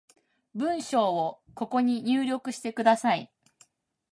文章をここに入力してください